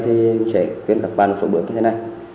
thì mình sẽ khuyên các bạn một số bước như thế này